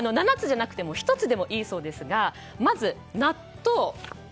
７つじゃなくて１つでもいいそうですがまず納豆。